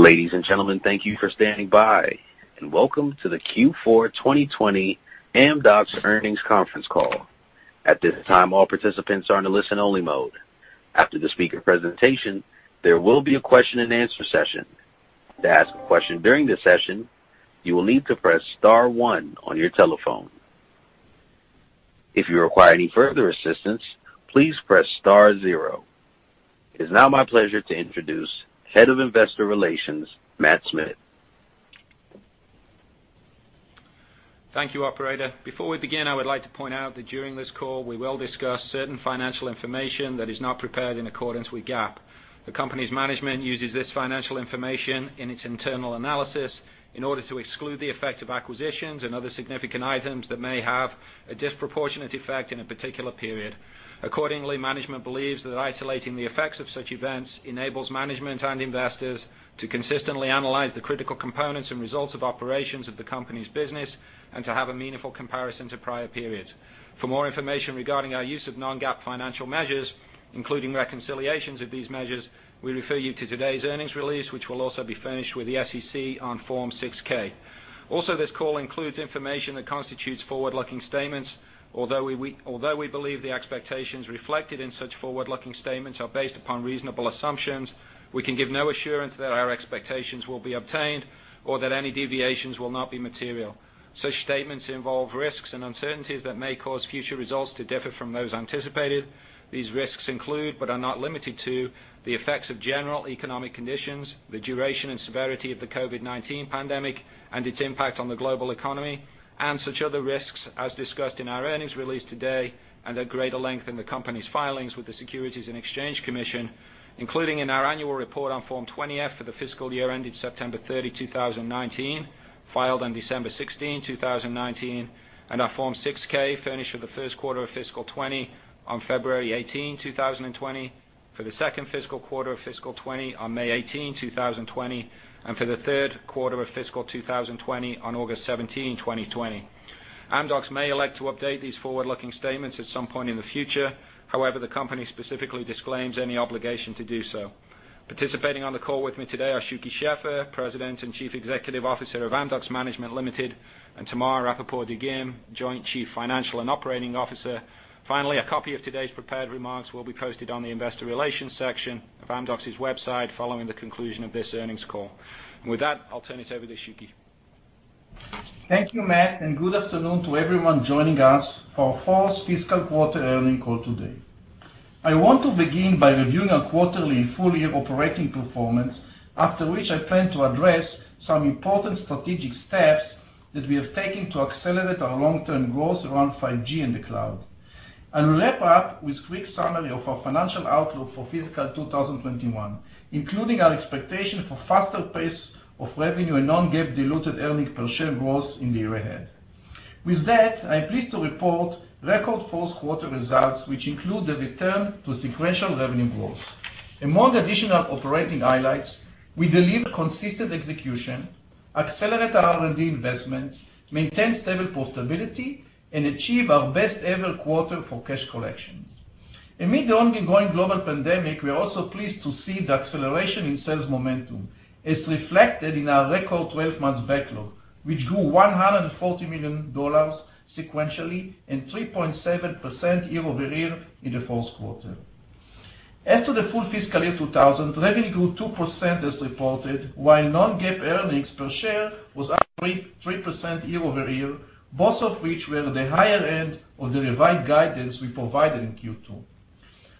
Ladies and gentlemen, thank you for standing by and welcome to the Q4 2020 Amdocs Earnings Conference Call. At this time, all participants are in a listen-only mode. After the speaker presentation, there will be a question and answer session. To ask a question during the session, you will need to press star one on your telephone. If you require any further assistance, please press star zero. It is now my pleasure to introduce Head of Investor Relations, Matt Smith. Thank you, operator. Before we begin, I would like to point out that during this call, we will discuss certain financial information that is not prepared in accordance with GAAP. The company's management uses this financial information in its internal analysis in order to exclude the effect of acquisitions and other significant items that may have a disproportionate effect in a particular period. Accordingly, management believes that isolating the effects of such events enables management and investors to consistently analyze the critical components and results of operations of the company's business and to have a meaningful comparison to prior periods. For more information regarding our use of non-GAAP financial measures, including reconciliations of these measures, we refer you to today's earnings release, which will also be furnished with the SEC on Form 6-K. This call includes information that constitutes forward-looking statements. Although we believe the expectations reflected in such forward-looking statements are based upon reasonable assumptions, we can give no assurance that our expectations will be obtained or that any deviations will not be material. Such statements involve risks and uncertainties that may cause future results to differ from those anticipated. These risks include, but are not limited to, the effects of general economic conditions, the duration and severity of the COVID-19 pandemic and its impact on the global economy, and such other risks as discussed in our earnings release today and at greater length in the company's filings with the Securities and Exchange Commission, including in our annual report on Form 20-F for the fiscal year ended September 30, 2019, filed on December 16, 2019, and our Form 6-K furnished for the first quarter of fiscal 2020 on February 18, 2020, for the second fiscal quarter of fiscal 2020 on May 18, 2020, and for the third quarter of fiscal 2020 on August 17, 2020. Amdocs may elect to update these forward-looking statements at some point in the future. However, the company specifically disclaims any obligation to do so. Participating on the call with me today are Shuky Sheffer, President and Chief Executive Officer of Amdocs Management Limited, and Tamar Rapaport-Dagim, Joint Chief Financial and Operating Officer. Finally, a copy of today's prepared remarks will be posted on the investor relations section of Amdocs' website following the conclusion of this earnings call. With that, I'll turn it over to Shuky. Thank you, Matt. Good afternoon to everyone joining us for our fourth fiscal quarter earnings call today. I want to begin by reviewing our quarterly and full year operating performance, after which I plan to address some important strategic steps that we have taken to accelerate our long-term growth around 5G and the cloud. I will wrap up with quick summary of our financial outlook for fiscal 2021, including our expectation for faster pace of revenue and non-GAAP diluted earnings per share growth in the year ahead. With that, I am pleased to report record fourth quarter results, which include the return to sequential revenue growth. Among the additional operating highlights, we deliver consistent execution, accelerate our R&D investments, maintain stable profitability, and achieve our best ever quarter for cash collections. Amid the ongoing global pandemic, we are also pleased to see the acceleration in sales momentum is reflected in our record 12 months backlog, which grew $140 million sequentially and 3.7% year-over-year in the fourth quarter. To the full fiscal year 2020, revenue grew 2% as reported, while non-GAAP earnings per share was up 3% year-over-year, both of which were at the higher end of the revised guidance we provided in Q2.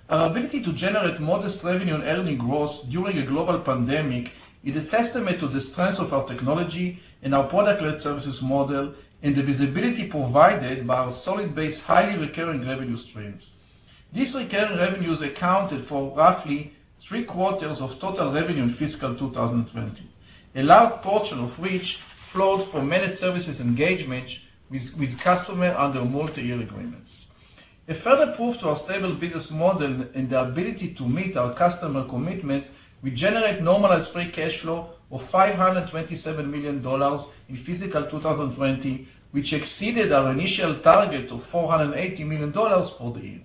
Our ability to generate modest revenue and earnings growth during a global pandemic is a testament to the strength of our technology and our product-led services model, and the visibility provided by our solid base, highly recurring revenue streams. These recurring revenues accounted for roughly three quarters of total revenue in fiscal 2020. A large portion of which flowed from managed services engagements with customers under multi-year agreements. A further proof to our stable business model and the ability to meet our customer commitment, we generate normalized free cash flow of $527 million in fiscal 2020, which exceeded our initial target of $480 million for the year.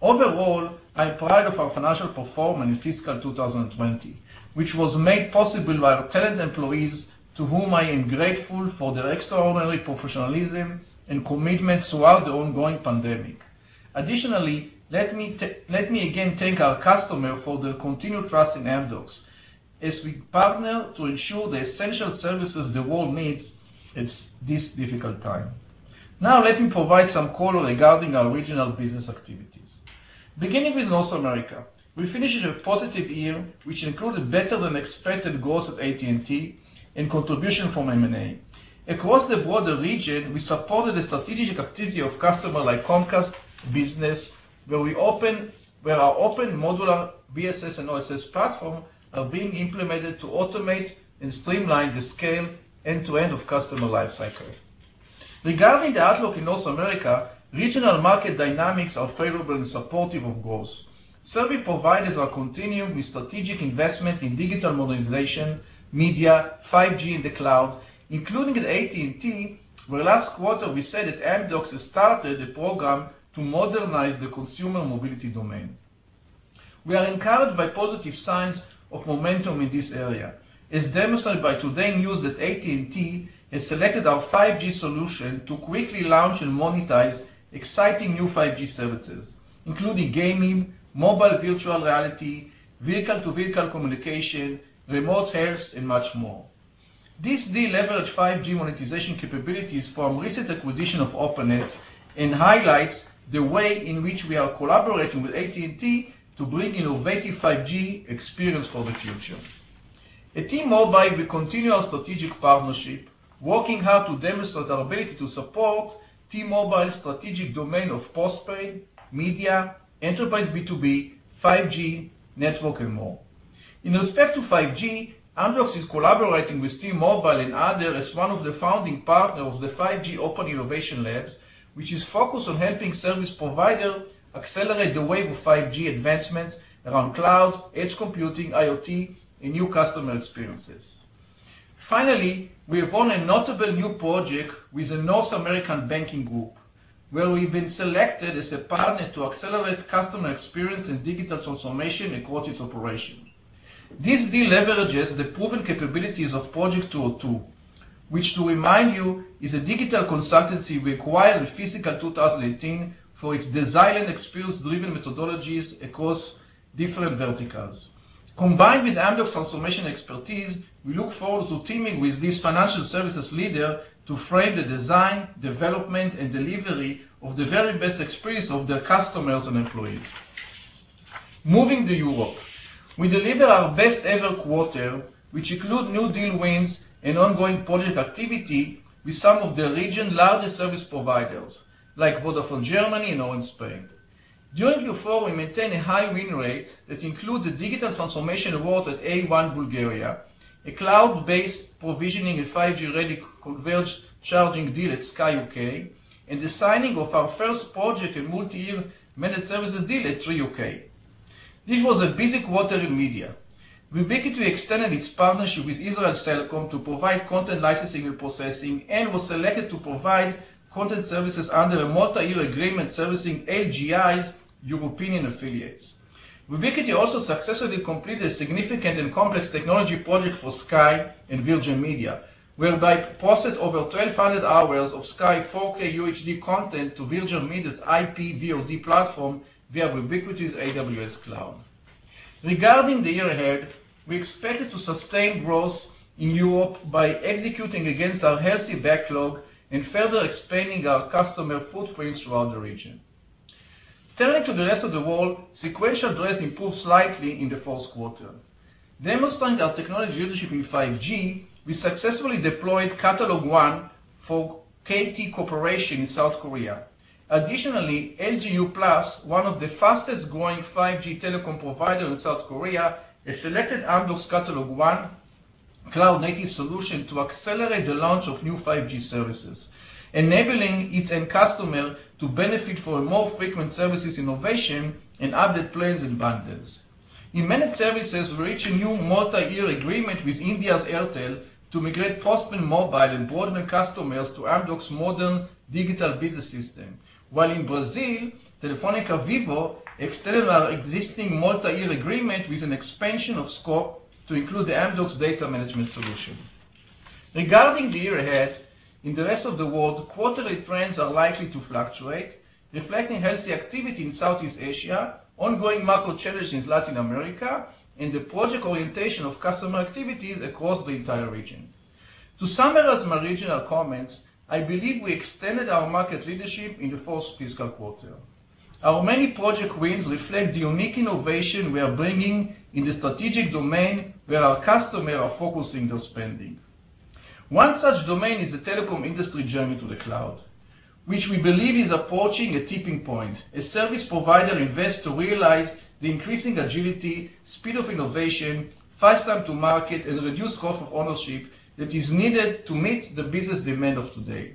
Overall, I am proud of our financial performance in fiscal 2020, which was made possible by our talented employees, to whom I am grateful for their extraordinary professionalism and commitment throughout the ongoing pandemic. Additionally, let me again thank our customer for their continued trust in Amdocs as we partner to ensure the essential services the world needs at this difficult time. Now, let me provide some color regarding our regional business activities. Beginning with North America, we finished a positive year, which included better than expected growth of AT&T and contribution from M&A. Across the broader region, we supported the strategic activity of customer like Comcast Business, where our open modular BSS and OSS platform are being implemented to automate and streamline the scale end-to-end of customer life cycle. Regarding the outlook in North America, regional market dynamics are favorable and supportive of growth. Service providers are continuing with strategic investment in digital modernization, media, 5G in the cloud, including with AT&T, where last quarter we said that Amdocs has started a program to modernize the consumer mobility domain. We are encouraged by positive signs of momentum in this area, as demonstrated by today's news that AT&T has selected our 5G solution to quickly launch and monetize exciting new 5G services, including gaming, mobile virtual reality, vehicle-to-vehicle communication, remote health, and much more. This deal leverages 5G monetization capabilities from the recent acquisition of Openet and highlights the way in which we are collaborating with AT&T to bring innovative 5G experiences for the future. At T-Mobile, we continue our strategic partnership, working hard to demonstrate our ability to support T-Mobile's strategic domains of postpaid, media, enterprise B2B, 5G, network, and more. In respect to 5G, Amdocs is collaborating with T-Mobile and others as one of the founding partners of the 5G Open Innovation Labs, which is focused on helping service providers accelerate the wave of 5G advancements around cloud, edge computing, IoT, and new customer experiences. Finally, we have won a notable new project with a North American banking group, where we've been selected as a partner to accelerate customer experience and digital transformation across its operations. This deal leverages the proven capabilities of projekt202, which to remind you, is a digital consultancy we acquired in fiscal 2018 for its design and experience delivery methodologies across different verticals. Combined with Amdocs' transformation expertise, we look forward to teaming with this financial services leader to frame the design, development, and delivery of the very best experience of their customers and employees. Moving to Europe. We delivered our best-ever quarter, which includes new deal wins and ongoing project activity with some of the region's largest service providers, like Vodafone Germany and Orange Spain. During Q4, we maintained a high win rate that includes the digital transformation award at A1 Bulgaria, a cloud-based provisioning and 5G-ready converged charging deal at Sky U.K., and the signing of our first project and multi-year managed services deal at Three U.K. This was a busy quarter in media. Vubiquity extended its partnership with Israel Cellcom to provide content licensing and processing and was selected to provide content services under a multi-year agreement servicing AGI's European affiliates. Vubiquity also successfully completed a significant and complex technology project for Sky and Virgin Media, whereby it processed over 1,200 hours of Sky 4K UHD content to Virgin Media's IP VOD platform via Vubiquity's AWS cloud. Regarding the year ahead, we expect to sustain growth in Europe by executing against our healthy backlog and further expanding our customer footprint throughout the region. Turning to the rest of the world, sequential trends improved slightly in the fourth quarter. Demonstrating our technology leadership in 5G, we successfully deployed CatalogONE for KT Corporation in South Korea. Additionally, LG Uplus, one of the fastest-growing 5G telecom providers in South Korea, has selected Amdocs' CatalogONE cloud-native solution to accelerate the launch of new 5G services, enabling its end customer to benefit from more frequent services innovation and added plans and bundles. In managed services, we reached a new multi-year agreement with India's Airtel to migrate postpaid mobile and broadband customers to Amdocs' modern digital business system. While in Brazil, Telefônica Vivo extended our existing multi-year agreement with an expansion of scope to include the Amdocs Data Management solution. Regarding the year ahead, in the rest of the world, quarterly trends are likely to fluctuate, reflecting healthy activity in Southeast Asia, ongoing macro challenges in Latin America, and the project orientation of customer activities across the entire region. To summarize my regional comments, I believe we extended our market leadership in the first fiscal quarter. Our many project wins reflect the unique innovation we are bringing in the strategic domain where our customers are focusing their spending. One such domain is the telecom industry journey to the cloud, which we believe is approaching a tipping point as service providers invest to realize the increasing agility, speed of innovation, faster time to market, and reduced cost of ownership that is needed to meet the business demand of today.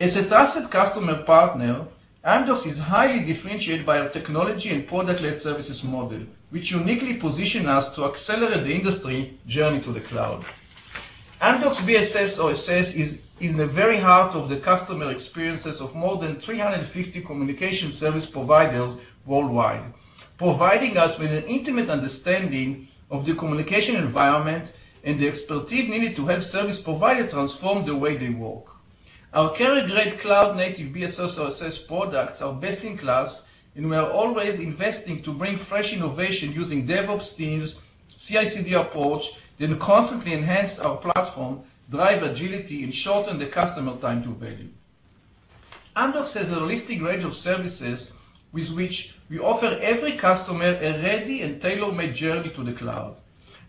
As a trusted customer partner, Amdocs is highly differentiated by our technology and product-led services model, which uniquely positions us to accelerate the industry journey to the cloud. Amdocs BSS OSS is in the very heart of the customer experiences of more than 350 communication service providers worldwide, providing us with an intimate understanding of the communication environment and the expertise needed to help service providers transform the way they work. Our carrier-grade cloud-native BSS OSS products are best in class, and we are always investing to bring fresh innovation using DevOps teams, CI/CD approach that constantly enhance our platform, drive agility, and shorten the customer time to value. Amdocs has a holistic range of services with which we offer every customer a ready and tailor-made journey to the cloud.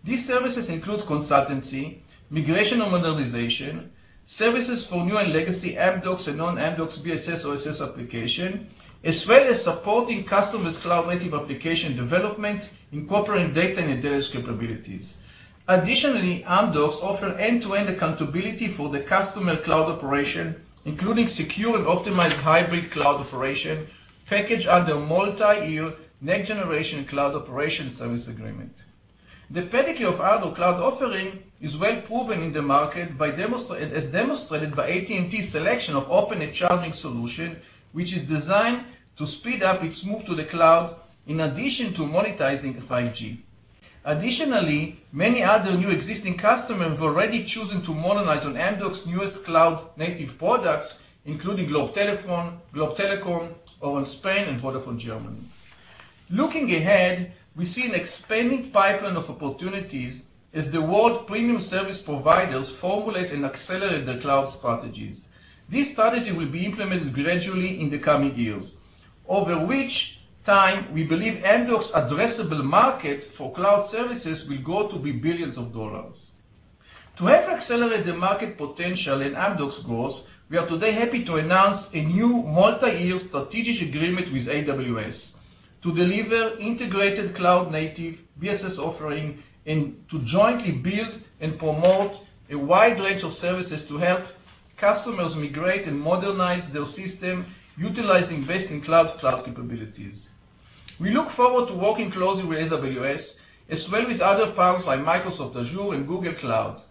These services include consultancy, migration and modernization, services for new and legacy Amdocs and non-Amdocs BSS OSS applications, as well as supporting customers' cloud-native application development, incorporating data and intelligence capabilities. Additionally, Amdocs offers end-to-end accountability for the customer cloud operation, including secure and optimized hybrid cloud operation packaged under a multi-year next-generation cloud operation service agreement. The pedigree of Amdocs Cloud offering is well proven in the market, as demonstrated by AT&T selection of Openet charging solution, which is designed to speed up its move to the cloud in addition to monetizing 5G. Additionally, many other new existing customers have already chosen to modernize on Amdocs newest cloud-native products, including Globe Telecom, Orange Spain, and Vodafone Germany. Looking ahead, we see an expanding pipeline of opportunities as the world's premium service providers formulate and accelerate their cloud strategies. This strategy will be implemented gradually in the coming years, over which time we believe Amdocs addressable market for cloud services will grow to be billions of dollars. To help accelerate the market potential and Amdocs growth, we are today happy to announce a new multi-year strategic agreement with AWS to deliver integrated cloud-native BSS offering and to jointly build and promote a wide range of services to help customers migrate and modernize their system utilizing best-in-cloud class capabilities. We look forward to working closely with AWS, as well with other partners like Microsoft Azure and Google Cloud,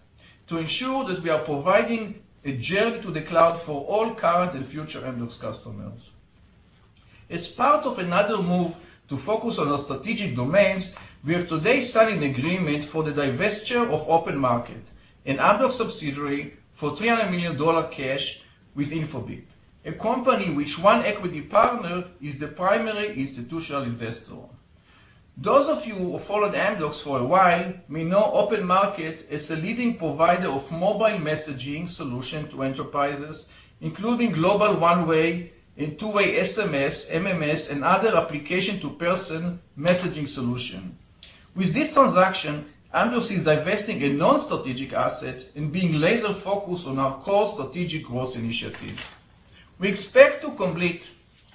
to ensure that we are providing a journey to the cloud for all current and future Amdocs customers. As part of another move to focus on our strategic domains, we have today signed an agreement for the divestiture of OpenMarket, an Amdocs subsidiary, for $300 million cash with Infobip, a company which One Equity Partners is the primary institutional investor. Those of you who followed Amdocs for a while may know OpenMarket as the leading provider of mobile messaging solution to enterprises, including global one-way and two-way SMS, MMS, and other application-to-person messaging solution. With this transaction, Amdocs is divesting a non-strategic asset and being laser focused on our core strategic growth initiatives. We expect to complete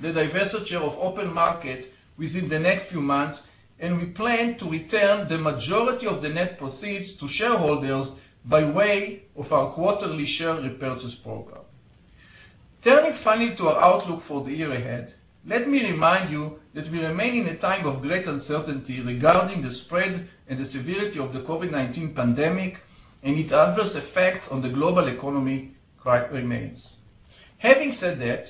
the divestiture of OpenMarket within the next few months, and we plan to return the majority of the net proceeds to shareholders by way of our quarterly share repurchase program. Turning finally to our outlook for the year ahead, let me remind you that we remain in a time of great uncertainty regarding the spread and the severity of the COVID-19 pandemic, and its adverse effects on the global economy remains. Having said that,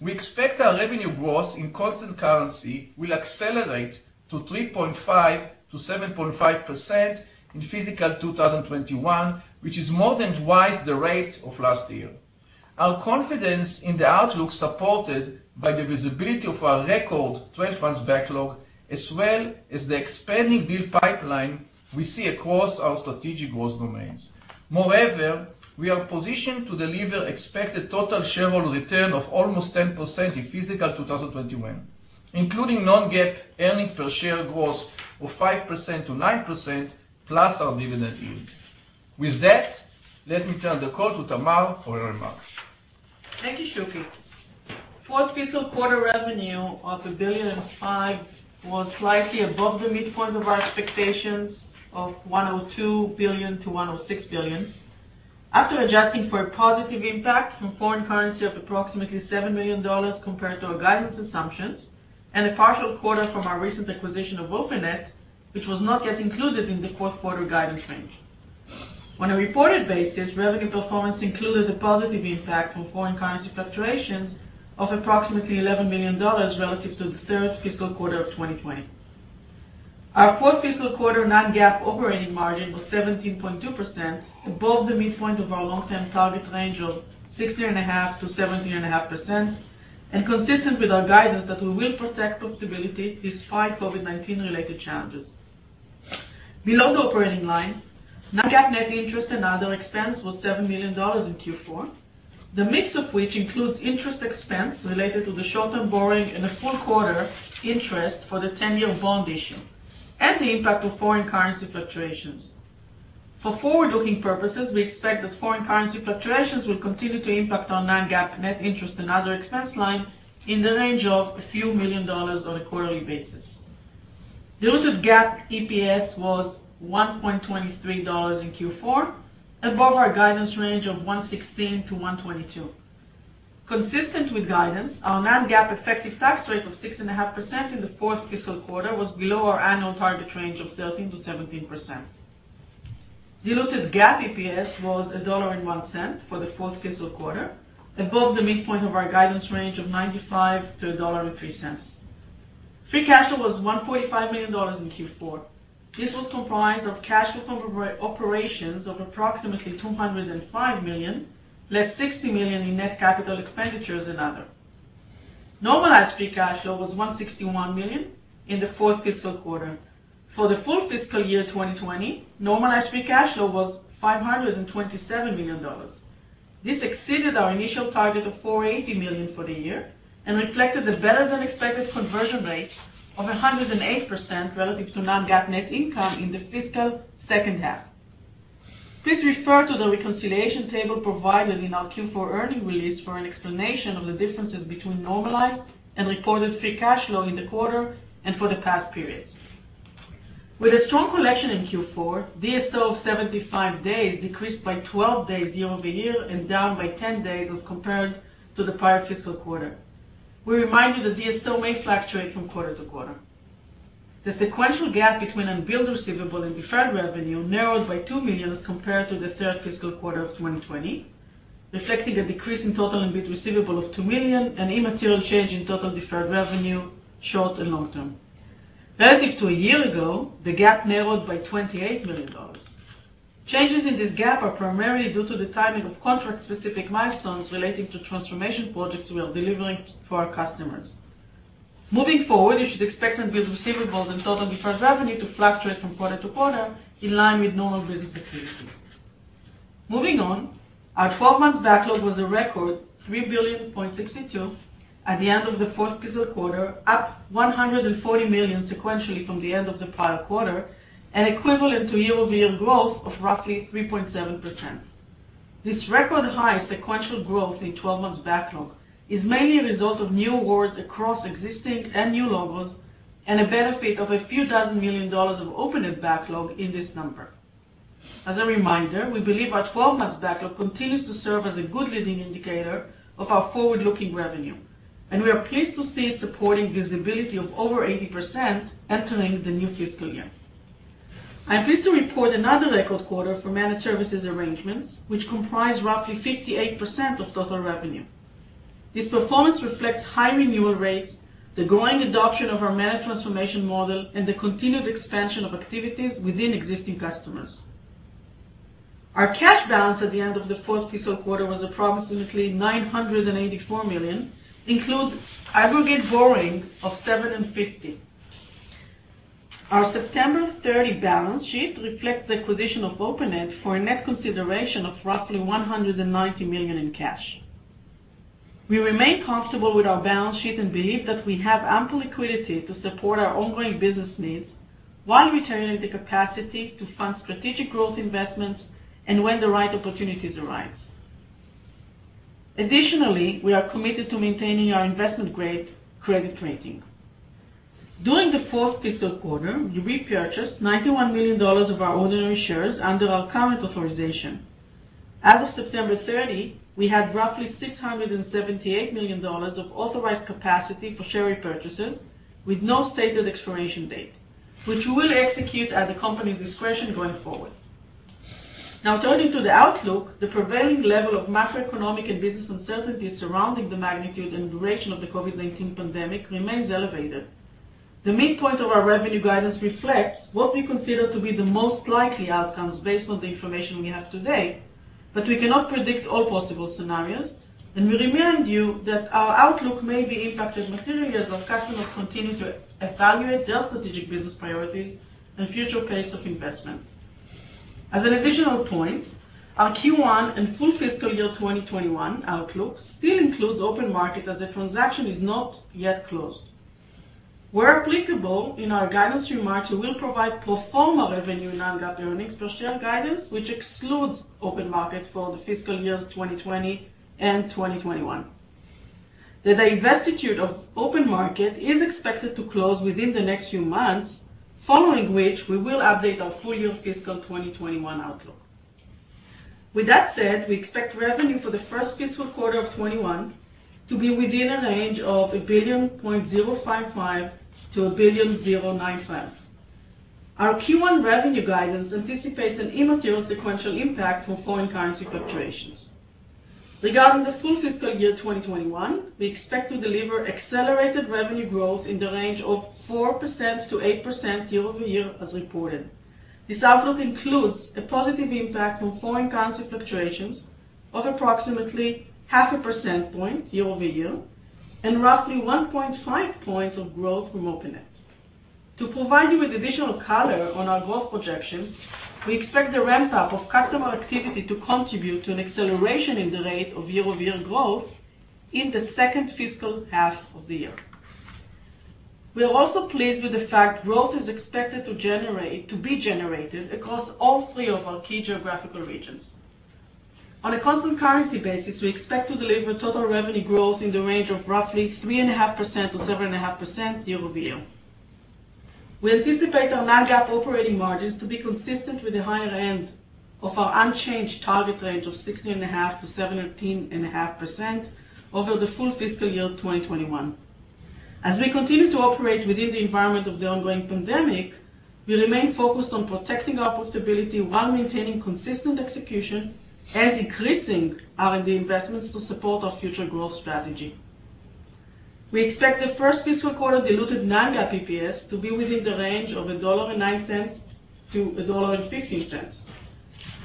we expect our revenue growth in constant currency will accelerate to 3.5%-7.5% in fiscal 2021, which is more than twice the rate of last year. Our confidence in the outlook supported by the visibility of our record 12 months backlog, as well as the expanding bill pipeline we see across our strategic growth domains. Moreover, we are positioned to deliver expected total shareholder return of almost 10% in fiscal 2021, including non-GAAP earnings per share growth of 5%-9%, plus our dividend yield. With that, let me turn the call to Tamar for her remarks. Thank you, Shuky. Fourth fiscal quarter revenue of $1.05 billion was slightly above the midpoint of our expectations of $1.02 billion-$1.06 billion. After adjusting for a positive impact from foreign currency of approximately $7 million compared to our guidance assumptions and a partial quarter from our recent acquisition of Openet, which was not yet included in the fourth quarter guidance range. On a reported basis, revenue performance included a positive impact from foreign currency fluctuations of approximately $11 million relative to the third fiscal quarter of 2020. Our fourth fiscal quarter non-GAAP operating margin was 17.2%, above the midpoint of our long-term target range of 16.5%-17.5%, and consistent with our guidance that we will protect profitability despite COVID-19 related challenges. Below the operating line, non-GAAP net interest and other expense was $7 million in Q4. The mix of which includes interest expense related to the short-term borrowing and a full quarter interest for the 10-year bond issue, and the impact of foreign currency fluctuations. For forward-looking purposes, we expect that foreign currency fluctuations will continue to impact our non-GAAP net interest and other expense line in the range of a few million dollars on a quarterly basis. Diluted GAAP EPS was $1.23 in Q4, above our guidance range of $1.16-$1.22. Consistent with guidance, our non-GAAP effective tax rate of 6.5% in the fourth fiscal quarter was below our annual target range of 13%-17%. Diluted GAAP EPS was $1.01 for the fourth fiscal quarter, above the midpoint of our guidance range of $0.95-$1.03. Free cash flow was $145 million in Q4. This was comprised of cash flow from operations of approximately $205 million, less $60 million in net capital expenditures and other. Normalized free cash flow was $161 million in the fourth fiscal quarter. For the full fiscal year 2020, normalized free cash flow was $527 million. This exceeded our initial target of $480 million for the year and reflected a better-than-expected conversion rate of 108% relative to non-GAAP net income in the fiscal second half. Please refer to the reconciliation table provided in our Q4 earnings release for an explanation of the differences between normalized and reported free cash flow in the quarter and for the past periods. With a strong collection in Q4, DSO of 75 days decreased by 12 days year-over-year and down by 10 days as compared to the prior fiscal quarter. We remind you that DSO may fluctuate from quarter-to-quarter. The sequential gap between unbilled receivable and deferred revenue narrowed by $2 million compared to the third fiscal quarter of 2020, reflecting a decrease in total unbilled receivable of $2 million and immaterial change in total deferred revenue, short and long-term. Relative to a year ago, the gap narrowed by $28 million. Changes in this gap are primarily due to the timing of contract-specific milestones relating to transformation projects we are delivering for our customers. Moving forward, you should expect unbilled receivables and total deferred revenue to fluctuate from quarter to quarter in line with normal business activity. Moving on, our 12-month backlog was a record $3.62 billion at the end of the fourth fiscal quarter, up $140 million sequentially from the end of the prior quarter and equivalent to year-over-year growth of roughly 3.7%. This record-high sequential growth in 12 months backlog is mainly a result of new awards across existing and new logos and a benefit of a few dozen million dollars of Openet backlog in this number. As a reminder, we believe our 12 months backlog continues to serve as a good leading indicator of our forward-looking revenue, and we are pleased to see it supporting visibility of over 80% entering the new fiscal year. I am pleased to report another record quarter for managed services arrangements, which comprise roughly 58% of total revenue. This performance reflects high renewal rates, the growing adoption of our Managed Transformation model, and the continued expansion of activities within existing customers. Our cash balance at the end of the fourth fiscal quarter was approximately $984 million, includes aggregate borrowing of $750 million. Our September 30 balance sheet reflects the acquisition of Openet for a net consideration of roughly $190 million in cash. We remain comfortable with our balance sheet and believe that we have ample liquidity to support our ongoing business needs while retaining the capacity to fund strategic growth investments and when the right opportunities arise. Additionally, we are committed to maintaining our investment-grade credit rating. During the fourth fiscal quarter, we repurchased $91 million of our ordinary shares under our current authorization. As of September 30, we had roughly $678 million of authorized capacity for share repurchases with no stated expiration date, which we will execute at the company's discretion going forward. Turning to the outlook, the prevailing level of macroeconomic and business uncertainty surrounding the magnitude and duration of the COVID-19 pandemic remains elevated. The midpoint of our revenue guidance reflects what we consider to be the most likely outcomes based on the information we have today, but we cannot predict all possible scenarios, and we remind you that our outlook may be impacted materially as our customers continue to evaluate their strategic business priorities and future pace of investments. As an additional point, our Q1 and full fiscal year 2021 outlooks still include OpenMarket as the transaction is not yet closed. Where applicable, in our guidance remarks, we will provide pro forma revenue and non-GAAP earnings per share guidance, which excludes OpenMarket for the fiscal years 2020 and 2021. The divestiture of OpenMarket is expected to close within the next few months, following which, we will update our full year fiscal 2021 outlook. With that said, we expect revenue for the first fiscal quarter of 2021 to be within a range of $1.055 billion-$1.095 billion. Our Q1 revenue guidance anticipates an immaterial sequential impact from foreign currency fluctuations. Regarding the full fiscal year 2021, we expect to deliver accelerated revenue growth in the range of 4%-8% year-over-year as reported. This outlook includes a positive impact from foreign currency fluctuations of approximately half a percent point year-over-year and roughly 1.5 points of growth from Openet. To provide you with additional color on our growth projections, we expect the ramp-up of customer activity to contribute to an acceleration in the rate of year-over-year growth in the second fiscal half of the year. We are also pleased with the fact growth is expected to be generated across all three of our key geographical regions. On a constant currency basis, we expect to deliver total revenue growth in the range of roughly 3.5%-7.5% year-over-year. We anticipate our non-GAAP operating margins to be consistent with the higher end of our unchanged target range of 16.5%-17.5% over the full fiscal year 2021. As we continue to operate within the environment of the ongoing pandemic, we remain focused on protecting our profitability while maintaining consistent execution and increasing R&D investments to support our future growth strategy. We expect the first fiscal quarter diluted non-GAAP EPS to be within the range of $1.09-$1.15.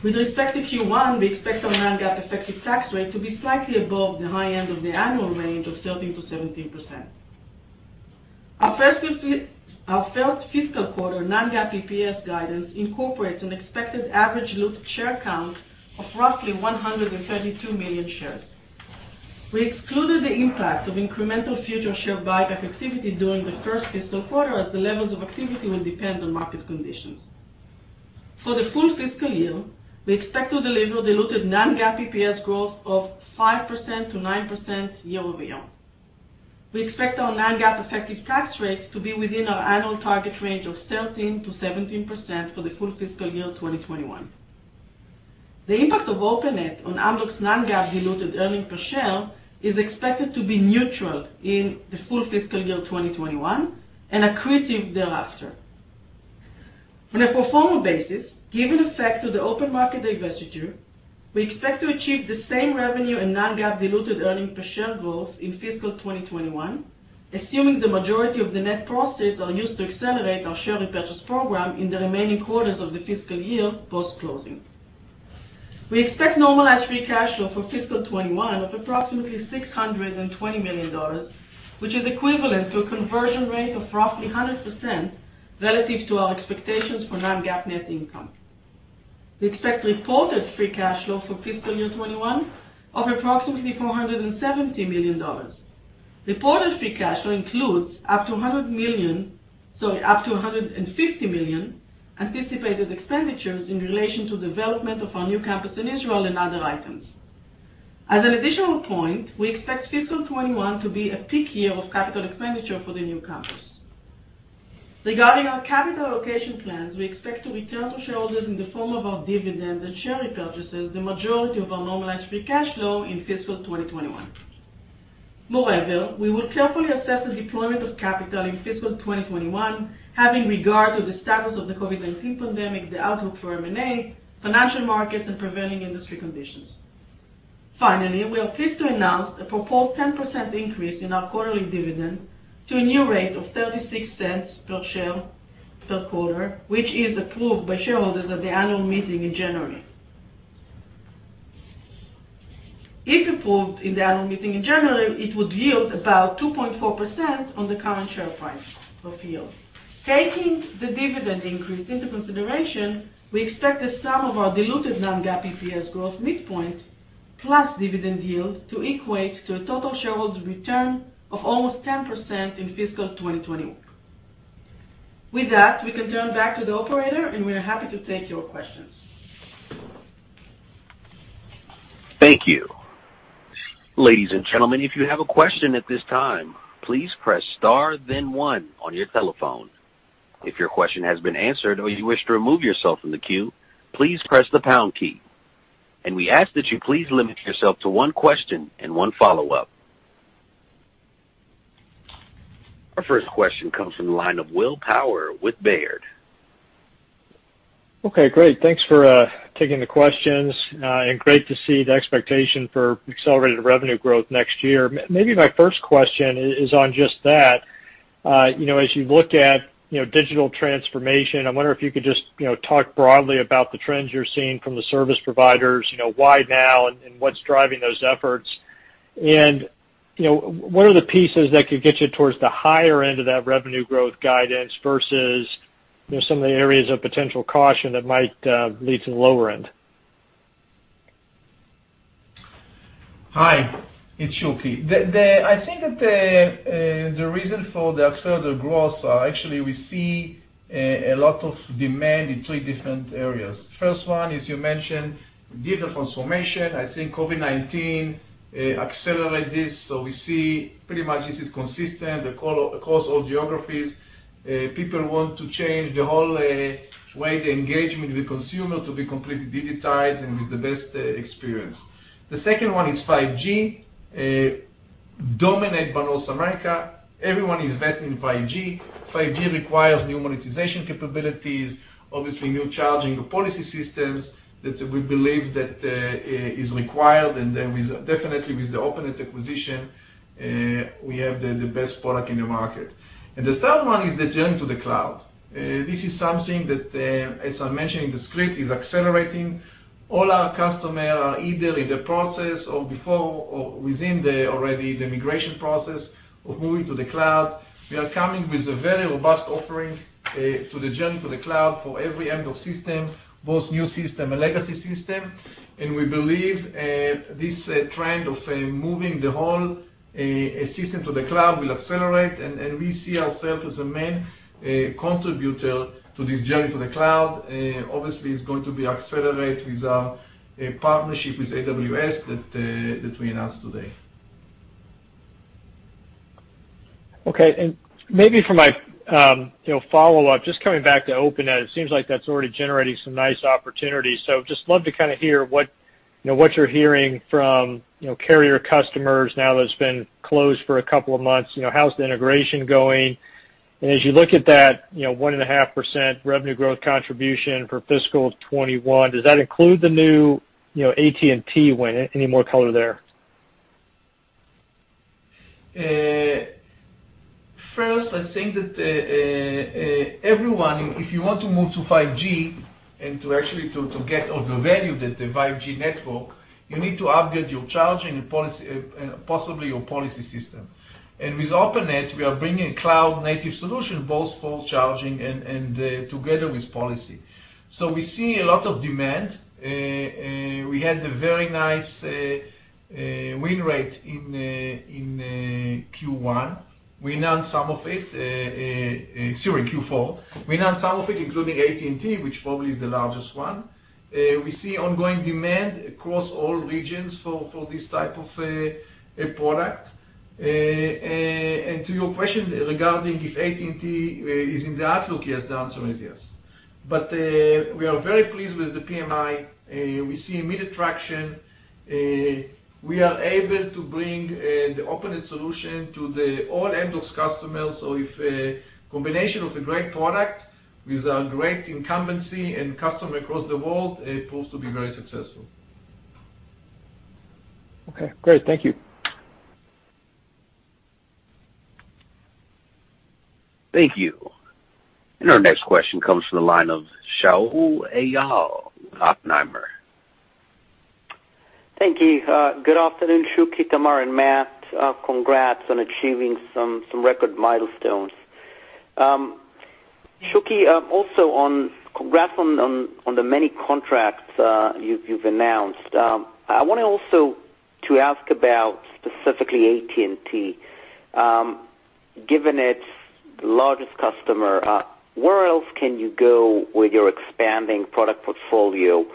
With respect to Q1, we expect our non-GAAP effective tax rate to be slightly above the high end of the annual range of 13%-17%. Our first fiscal quarter non-GAAP EPS guidance incorporates an expected average diluted share count of roughly 132 million shares. We excluded the impact of incremental future share buyback activity during the first fiscal quarter, as the levels of activity will depend on market conditions. For the full fiscal year, we expect to deliver diluted non-GAAP EPS growth of 5%-9% year-over-year. We expect our non-GAAP effective tax rates to be within our annual target range of 13%-17% for the full fiscal year 2021. The impact of Openet on Amdocs' non-GAAP diluted earnings per share is expected to be neutral in the full fiscal year 2021 and accretive thereafter. On a pro forma basis, given effect to the OpenMarket divestiture, we expect to achieve the same revenue and non-GAAP diluted earnings per share growth in fiscal 2021, assuming the majority of the net proceeds are used to accelerate our share repurchase program in the remaining quarters of the fiscal year post-closing. We expect normalized free cash flow for fiscal 2021 of approximately $620 million, which is equivalent to a conversion rate of roughly 100% relative to our expectations for non-GAAP net income. We expect reported free cash flow for fiscal year 2021 of approximately $470 million. Reported free cash flow includes up to $150 million anticipated expenditures in relation to development of our new campus in Israel and other items. As an additional point, we expect fiscal 2021 to be a peak year of capital expenditure for the new campus. Regarding our capital allocation plans, we expect to return to shareholders in the form of our dividends and share repurchases, the majority of our normalized free cash flow in fiscal 2021. Moreover, we will carefully assess the deployment of capital in fiscal 2021, having regard to the status of the COVID-19 pandemic, the outlook for M&A, financial markets, and prevailing industry conditions. Finally, we are pleased to announce a proposed 10% increase in our quarterly dividend to a new rate of $0.36 per share per quarter, which is approved by shareholders at the annual meeting in January. If approved in the annual meeting in January, it would yield about 2.4% on the current share price of yield. Taking the dividend increase into consideration, we expect the sum of our diluted non-GAAP EPS growth midpoint plus dividend yield to equate to a total shareholder return of almost 10% in fiscal 2021. With that, we can turn back to the operator, and we are happy to take your questions. Thank you. Ladies and gentlemen, if you have a question at this time, please press star then one on your telephone. If your question has been answered or you wish to remove yourself from the queue, please press the pound key. We ask that you please limit yourself to one question and one follow-up. Our first question comes from the line of William Power with Baird. Okay, great. Thanks for taking the questions, and great to see the expectation for accelerated revenue growth next year. Maybe my first question is on just that. As you look at digital transformation, I wonder if you could just talk broadly about the trends you're seeing from the service providers, why now, and what's driving those efforts. What are the pieces that could get you towards the higher end of that revenue growth guidance versus some of the areas of potential caution that might lead to the lower end? Hi, it's Shuky. I think that the reason for the further growth are actually, we see a lot of demand in three different areas. First one, as you mentioned, digital transformation. I think COVID-19 accelerate this, so we see pretty much this is consistent across all geographies. People want to change the whole way they engage with the consumer to be completely digitized and with the best experience. The second one is 5G, dominate North America. Everyone is investing in 5G. 5G requires new monetization capabilities, obviously new charging policy systems that we believe that is required, and then definitely with the Openet acquisition, we have the best product in the market. The third one is the journey to the cloud. This is something that, as I mentioned in the script, is accelerating. All our customers are either in the process or before or within already the migration process of moving to the cloud. We are coming with a very robust offering to the journey to the cloud for every Amdocs system, both new systems and legacy systems. We believe this trend of moving the whole system to the cloud will accelerate, and we see ourselves as a main contributor to this journey to the cloud. Obviously, it's going to accelerate with our partnership with AWS that we announced today. Okay, maybe for my follow-up, just coming back to Openet, it seems like that's already generating some nice opportunities. Just love to kind of hear what you're hearing from carrier customers now that it's been closed for a couple of months. How's the integration going? As you look at that 1.5% revenue growth contribution for fiscal 2021, does that include the new AT&T win? Any more color there? First, I think that everyone, if you want to move to 5G and to actually to get all the value that the 5G network, you need to upgrade your charging and possibly your policy system. With Openet, we are bringing a cloud-native solution, both for charging and together with policy. We see a lot of demand. We had a very nice win rate in Q4. We announced some of it, including AT&T, which probably is the largest one. We see ongoing demand across all regions for this type of a product. To your question regarding if AT&T is in the outlook, yes, the answer is yes. We are very pleased with the PMI. We see immediate traction. We are able to bring the Openet solution to all Amdocs customers. If a combination of a great product with our great incumbency and customer across the world, it proves to be very successful. Okay, great. Thank you. Thank you. Our next question comes from the line of Shaul Eyal, Oppenheimer. Thank you. Good afternoon, Shuky, Tamar, and Matt. Congrats on achieving some record milestones. Shuky, also congrats on the many contracts you've announced. I wanted also to ask about specifically AT&T. Given it's the largest customer, where else can you go with your expanding product portfolio?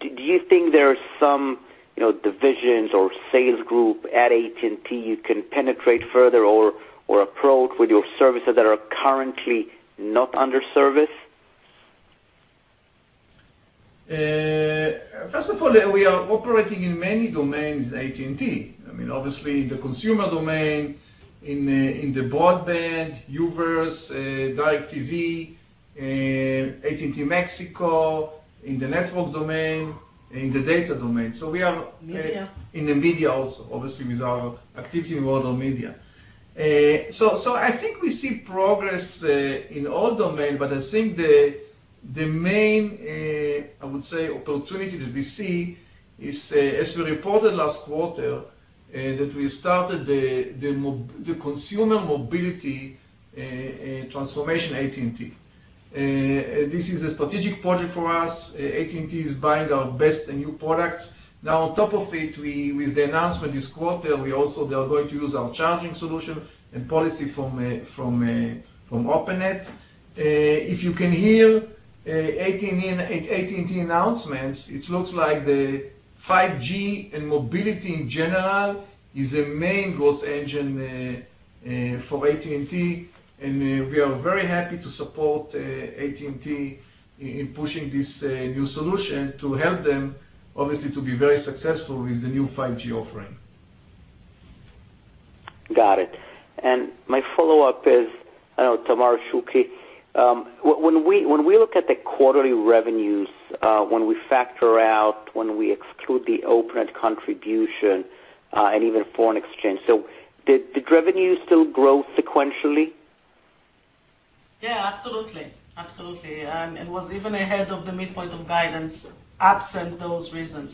Do you think there's some divisions or sales group at AT&T you can penetrate further or approach with your services that are currently not under service? First of all, we are operating in many domains at AT&T. Obviously, the consumer domain, in the broadband, U-verse, DirecTV, AT&T Mexico, in the network domain, in the data domain. Media In the media also, obviously, with our activity in world of media. I think we see progress, in all domains, but I think the main, I would say, opportunity that we see is, as we reported last quarter, that we started the consumer mobility transformation AT&T. This is a strategic project for us. AT&T is buying our best and new products. On top of it, with the announcement this quarter, they are going to use our charging solution and policy from Openet. If you can hear AT&T announcements, it looks like the 5G and mobility in general is a main growth engine for AT&T, and we are very happy to support AT&T in pushing this new solution to help them, obviously, to be very successful with the new 5G offering. Got it. My follow-up is, Tamar or Shuky, when we look at the quarterly revenues, when we factor out, when we exclude the Openet contribution, and even foreign exchange. Did revenue still grow sequentially? Yeah, absolutely. It was even ahead of the midpoint of guidance, absent those reasons.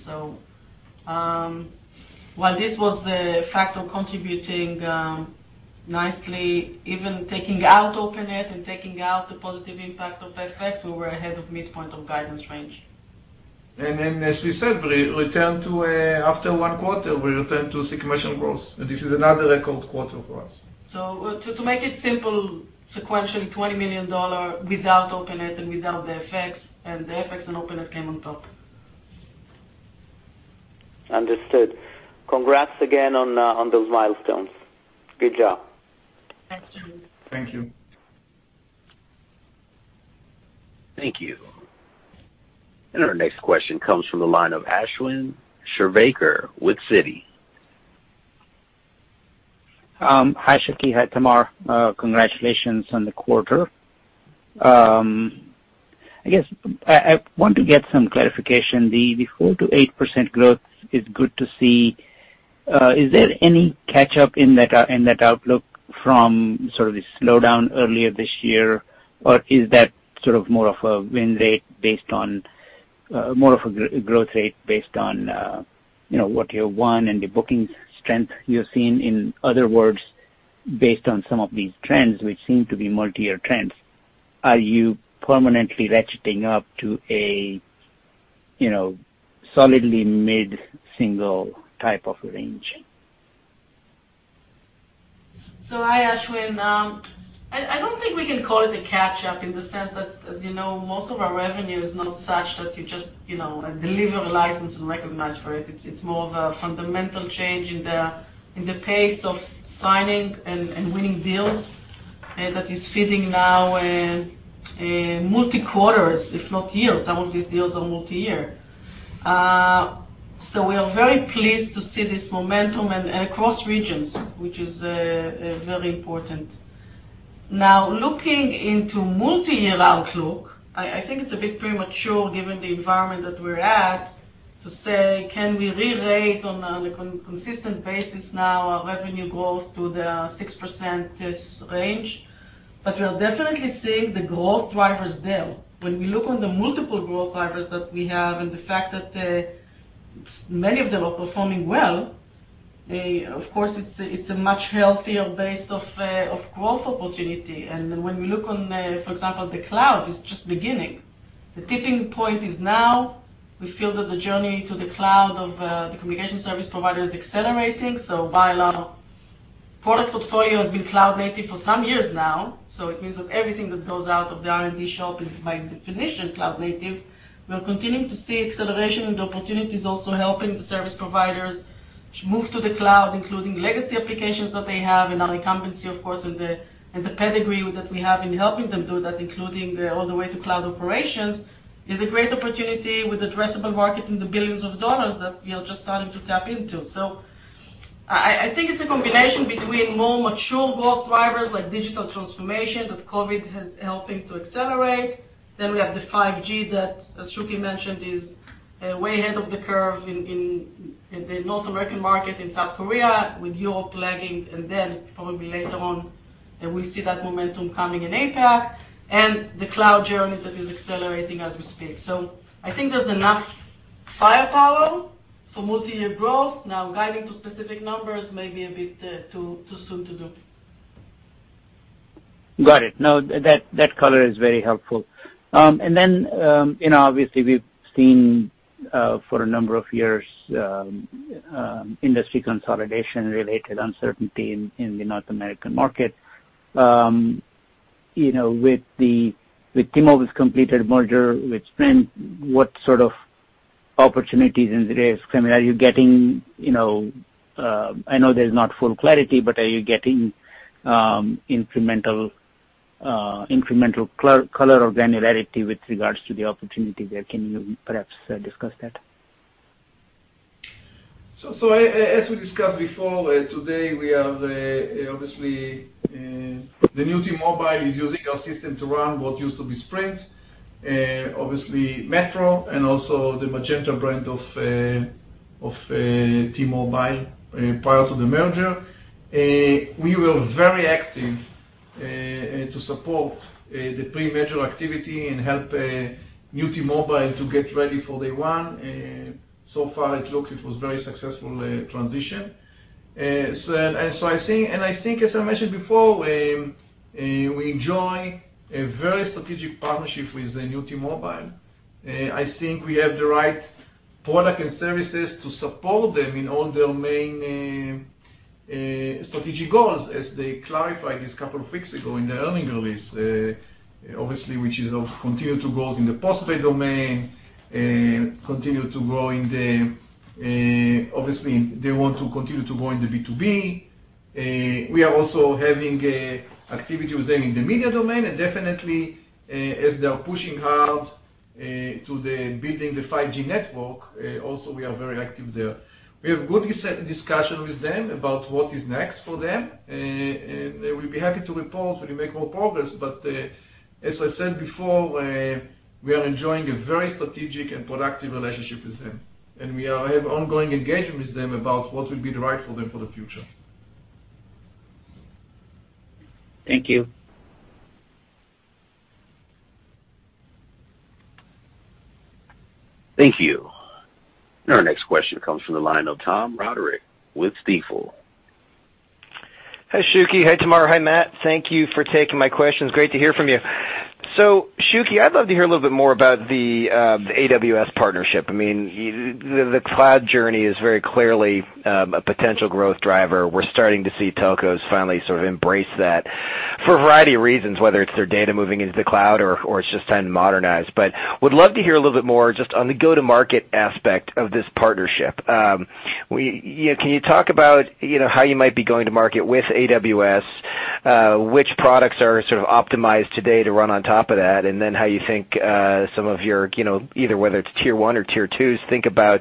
While this was a factor contributing nicely, even taking out Openet and taking out the positive impact of FX, we were ahead of midpoint of guidance range. As we said, after one quarter, we return to sequential growth, and this is another record quarter for us. To make it simple, sequentially, $20 million without Openet and without the FX, and the FX and Openet came on top. Understood. Congrats again on those milestones. Good job. Thanks, Shaul. Thank you. Thank you. Our next question comes from the line of Ashwin Shirvaikar with Citi. Hi, Shuky. Hi, Tamar. Congratulations on the quarter. I guess I want to get some clarification. The 4%-8% growth is good to see. Is there any catch-up in that outlook from sort of the slowdown earlier this year? Or is that sort of more of a growth rate based on what you won and the booking strength you're seeing? In other words, based on some of these trends, which seem to be multi-year trends, are you permanently ratcheting up to a solidly mid-single type of range? Hi, Ashwin. I don't think we can call it a catch-up in the sense that, as you know, most of our revenue is not such that you just deliver a license and recognize for it. It's more of a fundamental change in the pace of signing and winning deals, and that is sitting now in multi-quarters, if not years. Some of these deals are multi-year. We are very pleased to see this momentum across regions, which is very important. Now, looking into multi-year outlook, I think it's a bit premature given the environment that we're at, to say, can we re-rate on a consistent basis now our revenue growth to the 6% range? We are definitely seeing the growth drivers there. When we look on the multiple growth drivers that we have and the fact that many of them are performing well, of course, it's a much healthier base of growth opportunity. When we look on, for example, the cloud, it's just beginning. The tipping point is now. We feel that the journey to the cloud of the communication service provider is accelerating. By and large, product portfolio has been cloud-native for some years now, so it means that everything that goes out of the R&D shop is, by definition, cloud-native. We are continuing to see acceleration in the opportunities, also helping the service providers move to the cloud, including legacy applications that they have and our incumbency, of course, and the pedigree that we have in helping them do that, including all the way to cloud operations, is a great opportunity with addressable market in the billions of dollars that we are just starting to tap into. I think it's a combination between more mature growth drivers like digital transformation, that COVID has helping to accelerate. We have the 5G that Shuky mentioned is way ahead of the curve in the North American market, in South Korea, with Europe lagging, and then probably later on, we'll see that momentum coming in APAC, and the cloud journey that is accelerating as we speak. I think there's enough firepower for multi-year growth. Guiding to specific numbers may be a bit too soon to do. Got it. No, that color is very helpful. Obviously we've seen, for a number of years, industry consolidation-related uncertainty in the North American market. With T-Mobile's completed merger with Sprint, what sort of opportunities and risks? I know there's not full clarity, are you getting incremental color or granularity with regards to the opportunity there? Can you perhaps discuss that? As we discussed before, today, obviously the new T-Mobile is using our system to run what used to be Sprint, obviously Metro, and also the Magenta brand of T-Mobile prior to the merger. We were very active to support the pre-merger activity and help new T-Mobile to get ready for day one. So far, it looks it was very successful transition. I think, as I mentioned before, we enjoy a very strategic partnership with the new T-Mobile. I think we have the right product and services to support them in all their main strategic goals as they clarified this couple of weeks ago in the earning release. Which is continue to grow in the postpaid domain, obviously, they want to continue to grow in the B2B. We are also having activity with them in the media domain and definitely as they are pushing hard to building the 5G network, also we are very active there. We have good discussion with them about what is next for them, and we'll be happy to report when we make more progress. As I said before, we are enjoying a very strategic and productive relationship with them, and we have ongoing engagement with them about what will be right for them for the future. Thank you. Thank you. Our next question comes from the line of Tom Roderick with Stifel. Hi, Shuky. Hi, Tamar. Hi, Matt. Thank you for taking my questions. Great to hear from you. Shuky, I'd love to hear a little bit more about the AWS partnership. The cloud journey is very clearly a potential growth driver. We're starting to see telcos finally embrace that for a variety of reasons, whether it's their data moving into the cloud or it's just time to modernize. Would love to hear a little bit more just on the go-to-market aspect of this partnership. Can you talk about how you might be going to market with AWS? Which products are optimized today to run on top of that? How you think some of your, either whether it's Tier 1 or Tier 2s, think about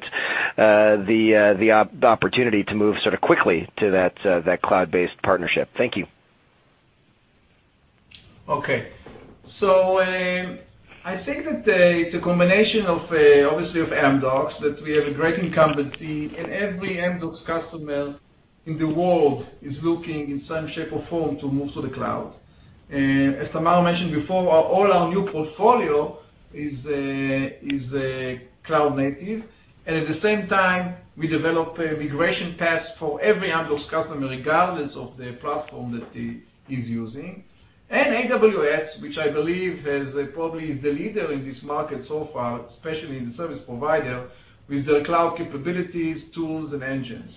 the opportunity to move quickly to that cloud-based partnership. Thank you. Okay. I think that the combination, obviously, of Amdocs, that we have a great incumbency, and every Amdocs customer in the world is looking in some shape or form to move to the cloud. As Tamar mentioned before, all our new portfolio is cloud-native, and at the same time, we develop a migration path for every Amdocs customer, regardless of the platform that he's using. AWS, which I believe is probably the leader in this market so far, especially in the service provider, with their cloud capabilities, tools, and engines.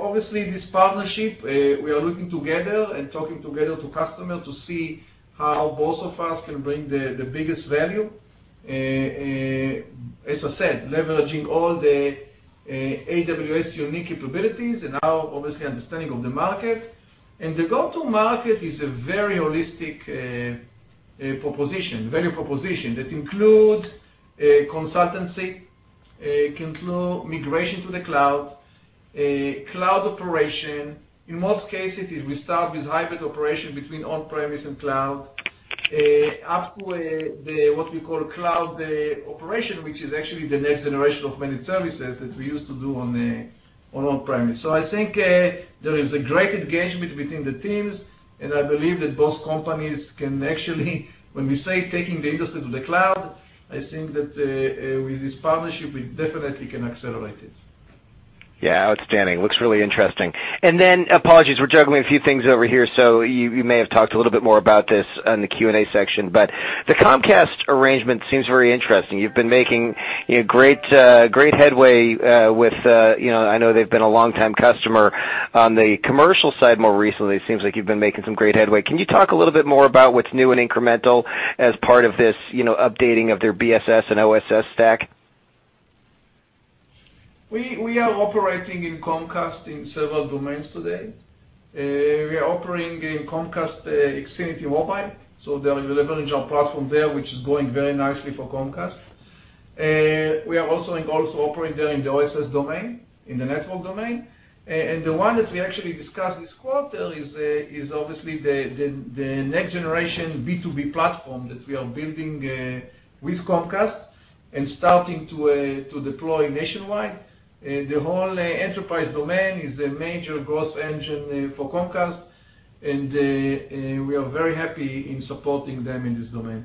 Obviously, this partnership, we are looking together and talking together to customers to see how both of us can bring the biggest value. As I said, leveraging all the AWS unique capabilities and our obviously understanding of the market. The go-to market is a very holistic value proposition that includes consultancy, it can include migration to the cloud operation. In most cases, we start with hybrid operation between on-premise and cloud. Up to what we call cloud operation, which is actually the next generation of managed services that we used to do on-premise. I think there is a great engagement between the teams, and I believe that both companies can actually, when we say taking the industry to the cloud, I think that with this partnership, we definitely can accelerate it. Yeah. Outstanding. Looks really interesting. Apologies, we're juggling a few things over here, so you may have talked a little bit more about this in the Q&A section, but the Comcast arrangement seems very interesting. You've been making great headway with, I know they've been a long-time customer. On the commercial side, more recently, it seems like you've been making some great headway. Can you talk a little bit more about what's new and incremental as part of this updating of their BSS and OSS stack? We are operating in Comcast in several domains today. We are operating in Comcast Xfinity Mobile. They are leveraging our platform there, which is going very nicely for Comcast. We are also operating there in the OSS domain, in the network domain. The one that we actually discussed this quarter is obviously the next generation B2B platform that we are building with Comcast and starting to deploy nationwide. The whole enterprise domain is a major growth engine for Comcast, and we are very happy in supporting them in this domain.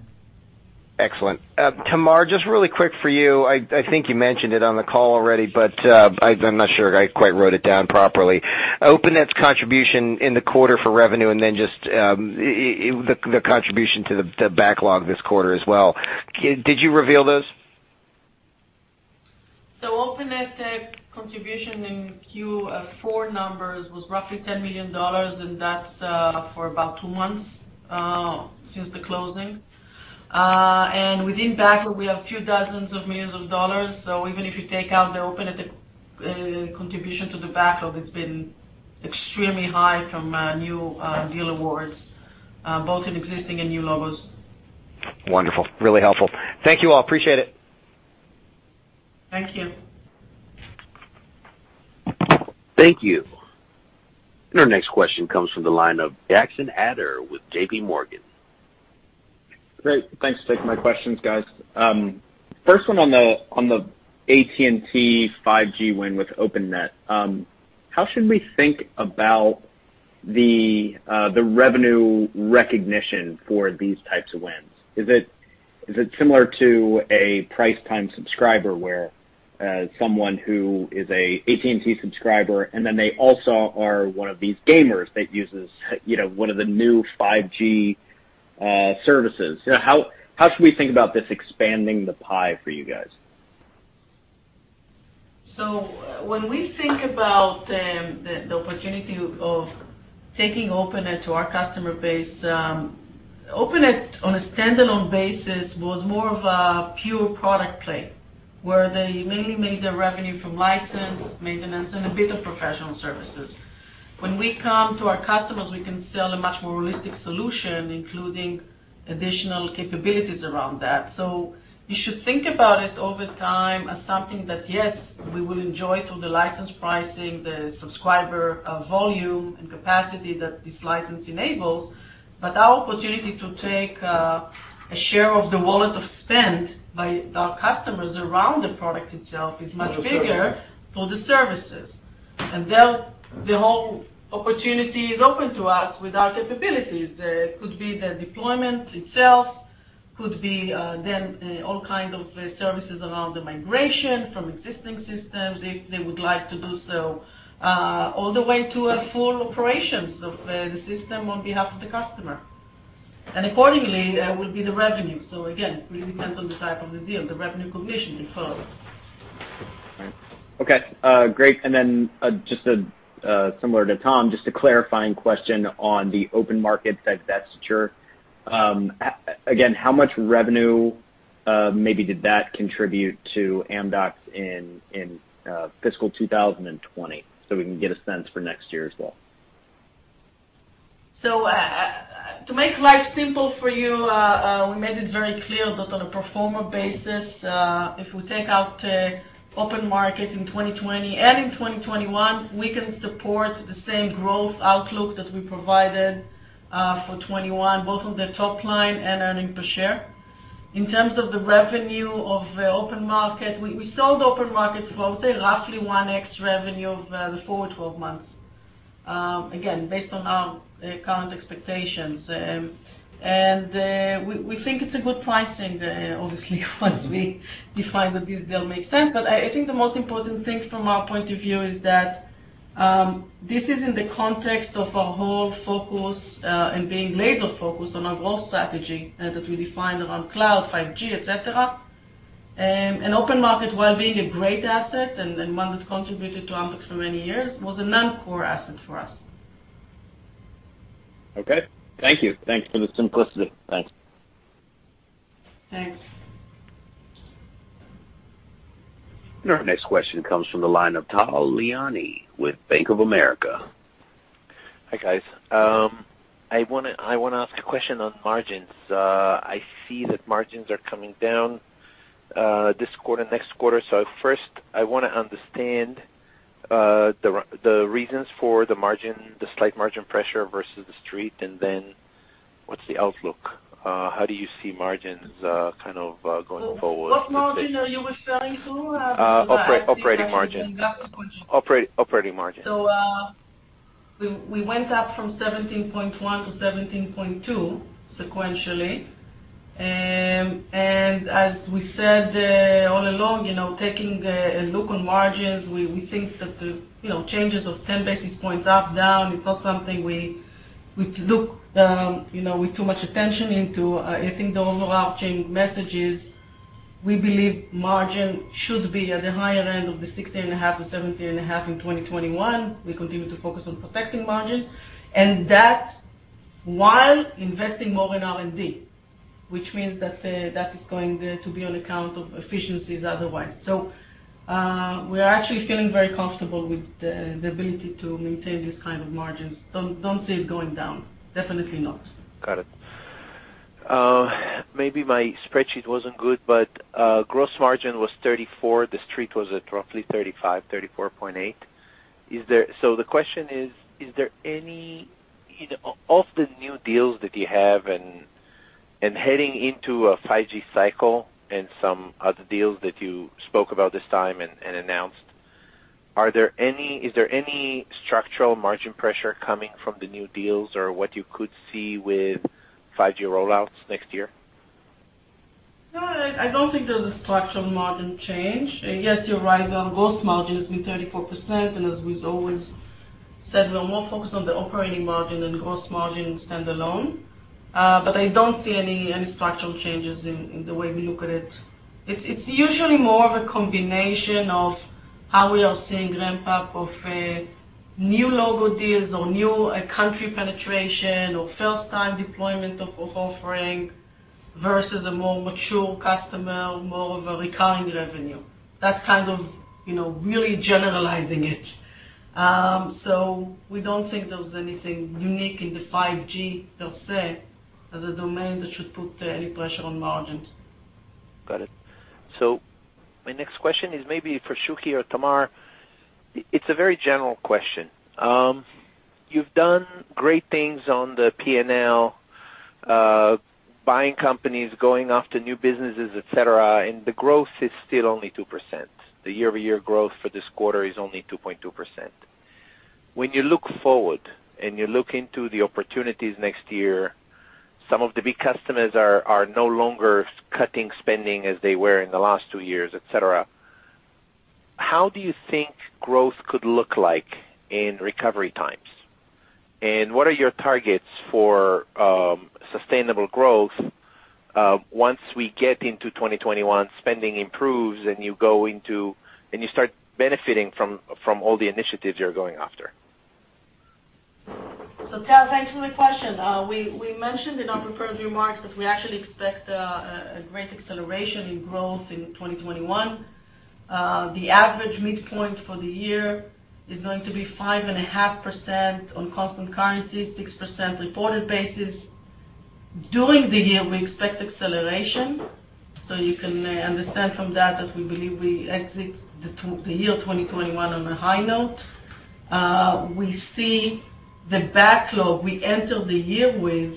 Excellent. Tamar, just really quick for you. I think you mentioned it on the call already, but I am not sure I quite wrote it down properly. Openet's contribution in the quarter for revenue, and then just the contribution to the backlog this quarter as well. Did you reveal those? Openet contribution in Q4 numbers was roughly $10 million, and that's for about two months since the closing. Within backlog, we have a few dozens of millions of dollars. Even if you take out the Openet contribution to the backlog, it's been extremely high from new deal awards, both in existing and new logos. Wonderful. Really helpful. Thank you all, appreciate it. Thank you. Thank you. Our next question comes from the line of Jackson Ader with JPMorgan. Great. Thanks. Taking my questions, guys. First one on the AT&T 5G win with Openet. How should we think about the revenue recognition for these types of wins? Is it similar to a price time subscriber where someone who is AT&T subscriber, and then they also are one of these gamers that uses one of the new 5G services? How should we think about this expanding the pie for you guys? When we think about the opportunity of taking Openet to our customer base, Openet on a standalone basis was more of a pure product play, where they mainly made their revenue from license, maintenance, and a bit of professional services. When we come to our customers, we can sell a much more holistic solution, including additional capabilities around that. You should think about it over time as something that, yes, we will enjoy through the license pricing, the subscriber volume and capacity that this license enables, but our opportunity to take a share of the wallet of spend by our customers around the product itself is much bigger for the services. There, the whole opportunity is open to us with our capabilities. Could be the deployment itself, could be then all kind of services around the migration from existing systems, if they would like to do so, all the way to a full operations of the system on behalf of the customer. Accordingly, will be the revenue. Again, it really depends on the type of the deal, the revenue recognition involved. Okay, great. Just similar to Tom, just a clarifying question on the OpenMarket that's mature. Again, how much revenue, maybe did that contribute to Amdocs in fiscal 2020? We can get a sense for next year as well. To make life simple for you, we made it very clear that on a pro forma basis, if we take out OpenMarket in 2020 and in 2021, we can support the same growth outlook that we provided, for 2021, both on the top line and earning per share. In terms of the revenue of OpenMarket, we sold OpenMarket for roughly 1x revenue of the full 12 months. Again, based on our current expectations. We think it's a good pricing, obviously, once we define that this deal makes sense. I think the most important thing from our point of view is that, this is in the context of our whole focus, and being laser focused on our growth strategy that we defined around cloud, 5G, et cetera. OpenMarket, while being a great asset and one that contributed to Amdocs for many years, was a non-core asset for us. Okay. Thank you. Thanks for the simplicity. Thanks. Thanks. Our next question comes from the line of Tal Liani with Bank of America. Hi, guys. I want to ask a question on margins. I see that margins are coming down, this quarter, next quarter. First, I want to understand the reasons for the slight margin pressure versus the street, and then what's the outlook? How do you see margins kind of going forward? What margin are you referring to? Operating margin. We went up from 17.1% to 17.2% sequentially. As we said all along, taking a look on margins, we think that the changes of 10 basis points up, down, it's not something we look with too much attention into. I think the overarching message is. We believe margin should be at the higher end of the 16.5% or 17.5% in 2021. We continue to focus on protecting margins, and that while investing more in R&D, which means that is going to be on account of efficiencies otherwise. We are actually feeling very comfortable with the ability to maintain these kind of margins. Don't see it going down, definitely not. Got it. Maybe my spreadsheet wasn't good, gross margin was 34%. The Street was at roughly 35%, 34.8%. The question is of the new deals that you have and heading into a 5G cycle and some other deals that you spoke about this time and announced, is there any structural margin pressure coming from the new deals or what you could see with 5G rollouts next year? I don't think there's a structural margin change. You're right on gross margin has been 34%, and as we've always said, we are more focused on the operating margin than gross margin standalone. I don't see any structural changes in the way we look at it. It's usually more of a combination of how we are seeing ramp-up of new logo deals or new country penetration or first-time deployment of offering versus a more mature customer, more of a recurring revenue. That's kind of really generalizing it. We don't think there's anything unique in the 5G per se, as a domain that should put any pressure on margins. My next question is maybe for Shuky or Tamar. It's a very general question. You've done great things on the P&L, buying companies, going after new businesses, et cetera, and the growth is still only 2%. The year-over-year growth for this quarter is only 2.2%. When you look forward and you look into the opportunities next year, some of the big customers are no longer cutting spending as they were in the last two years, et cetera. How do you think growth could look like in recovery times? And what are your targets for sustainable growth once we get into 2021, spending improves, and you start benefiting from all the initiatives you're going after? Tal, thanks for the question. We mentioned in our prepared remarks that we actually expect a great acceleration in growth in 2021. The average midpoint for the year is going to be 5.5% on constant currency, 6% reported basis. During the year, we expect acceleration, you can understand from that we believe we exit the year 2021 on a high note. We see the backlog we enter the year with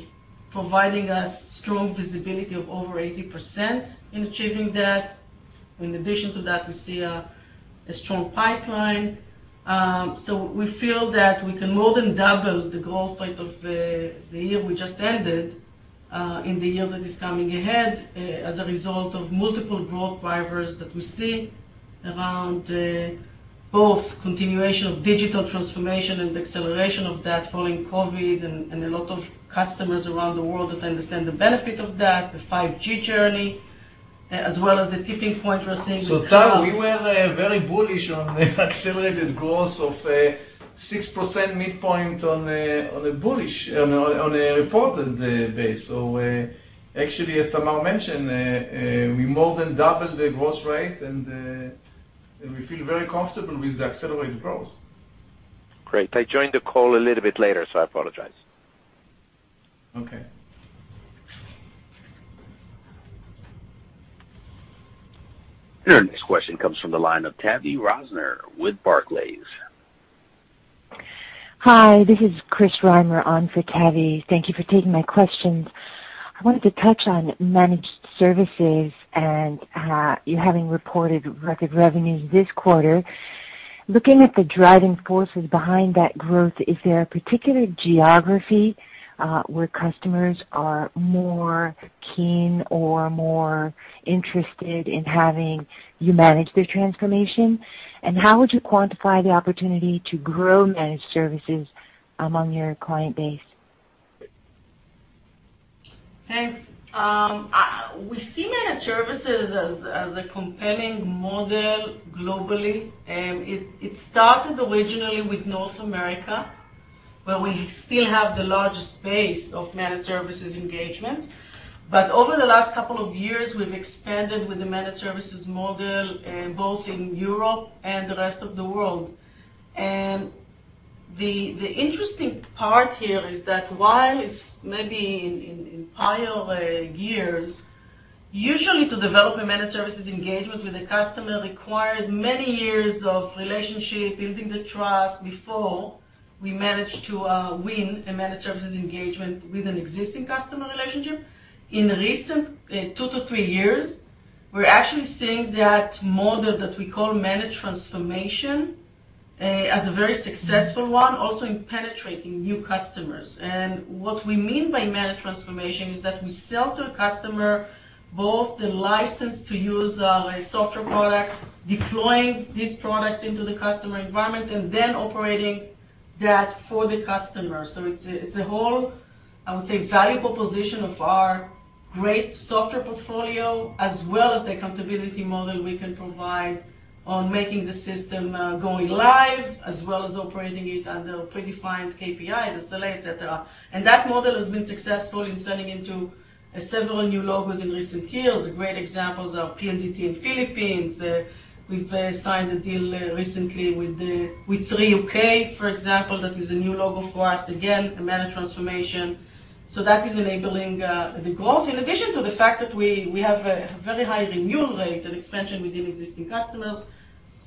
providing us strong visibility of over 80% in achieving that. In addition to that, we see a strong pipeline. We feel that we can more than double the growth rate of the year we just ended, in the year that is coming ahead, as a result of multiple growth drivers that we see around both continuation of digital transformation and the acceleration of that following COVID-19 and a lot of customers around the world that understand the benefit of that, the 5G journey, as well as the tipping point we're seeing with cloud. Tal, we were very bullish on the accelerated growth of 6% midpoint on a reported base. Actually, as Tamar mentioned, we more than doubled the growth rate, and we feel very comfortable with the accelerated growth. Great. I joined the call a little bit later, so I apologize. Okay. Your next question comes from the line of Tavy Rosner with Barclays. Hi, this is Chris Rosner on for Tavy. Thank you for taking my questions. I wanted to touch on managed services and you having reported record revenues this quarter. Looking at the driving forces behind that growth, is there a particular geography where customers are more keen or more interested in having you manage their transformation? How would you quantify the opportunity to grow managed services among your client base? Thanks. We see managed services as a compelling model globally. It started originally with North America, where we still have the largest base of managed services engagement. Over the last couple of years, we've expanded with the managed services model, both in Europe and the rest of the world. The interesting part here is that while it's maybe in prior years, usually to develop a managed services engagement with a customer required many years of relationship, building the trust before we managed to win a managed services engagement with an existing customer relationship. In recent two to three years, we're actually seeing that model that we call managed transformation, as a very successful one, also in penetrating new customers. What we mean by managed transformation is that we sell to a customer both the license to use our software product, deploying this product into the customer environment, and then operating that's for the customer. So it's a whole, I would say, valuable position of our great software portfolio, as well as the accountability model we can provide on making the system going live, as well as operating it under predefined KPI, the SLA, et cetera. That model has been successful in selling into several new logos in recent years. Great examples are PLDT in Philippines. We've signed a deal recently with Three U.K., for example. That is a new logo for us, again, a managed transformation. So that is enabling the growth, in addition to the fact that we have a very high renewal rate and expansion within existing customers.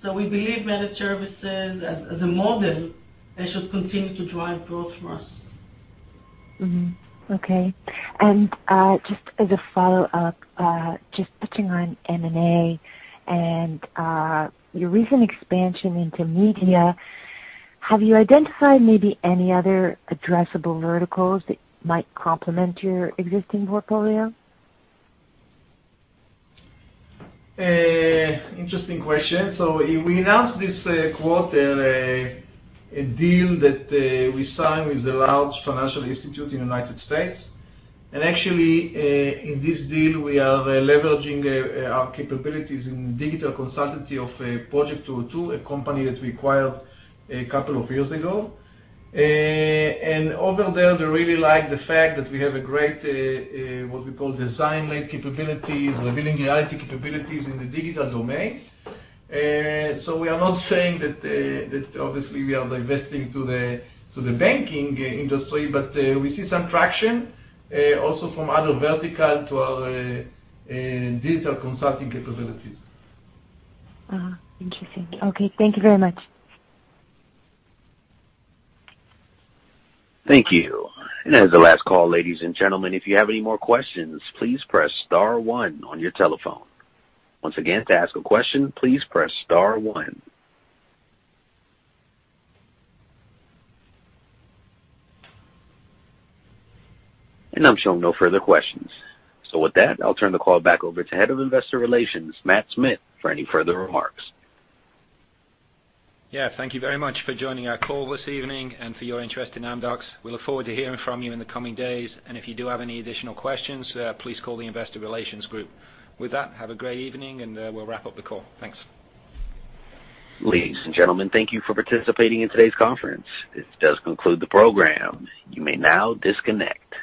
We believe managed services as a model should continue to drive growth for us. Okay. Just as a follow-up, just touching on M&A and your recent expansion into media, have you identified maybe any other addressable verticals that might complement your existing portfolio? Interesting question. We announced this quarter a deal that we signed with a large financial institute in the U.S. Actually, in this deal, we are leveraging our capabilities in digital consultancy of projekt202, LLC, a company that we acquired a couple of years ago. Over there, they really like the fact that we have a great, what we call design-led capabilities, revealing reality capabilities in the digital domain. We are not saying that, obviously, we are divesting to the banking industry, but we see some traction, also from other vertical to our digital consulting capabilities. Interesting. Okay. Thank you very much. Thank you. As a last call, ladies and gentlemen, if you have any more questions, please press star one on your telephone. Once again, to ask a question, please press star one. I'm showing no further questions. With that, I'll turn the call back over to Head of Investor Relations, Matt Smith, for any further remarks. Yeah. Thank you very much for joining our call this evening and for your interest in Amdocs. We look forward to hearing from you in the coming days. If you do have any additional questions, please call the investor relations group. With that, have a great evening, and we will wrap up the call. Thanks. Ladies and gentlemen, thank you for participating in today's conference. This does conclude the program. You may now disconnect.